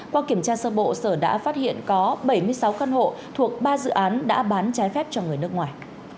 qua kiểm tra sơ bộ sở đã phát hiện có bảy mươi sáu căn hộ thuộc ba dự án đã bán trái phép cho người nước ngoài